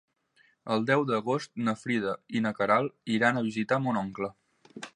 El deu d'agost na Frida i na Queralt iran a visitar mon oncle.